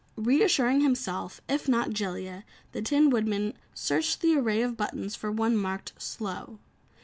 Reassuring himself, if not Jellia, the Tin Woodman searched the array of buttons for one marked "slow."